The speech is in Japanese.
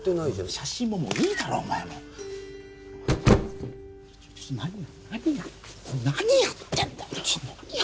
写真ももういいだろ何やってんだよ